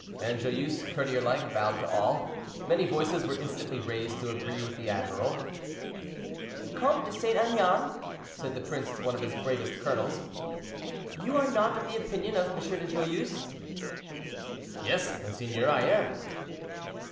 And Joyeuse, courtier like, bowed to all. Many voices were instantly raised to agree with the admiral. "Comte de St. Aignan," said the prince to one of his bravest colonels, "you are not of the opinion of M. de Joyeuse?" "Yes, monseigneur, I am."